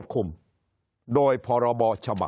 คนในวงการสื่อ๓๐องค์กร